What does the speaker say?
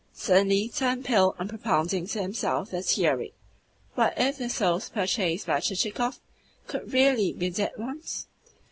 suddenly turned pale on propounding to himself the theory. "What if the souls purchased by Chichikov should REALLY be dead ones?"